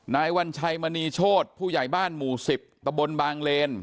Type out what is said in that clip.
วัญชัยมณีโชธผู้ใหญ่บ้านหมู่๑๐ตะบนบางเลน